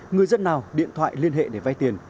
người dân nào điện thoại liên hệ để vay tiền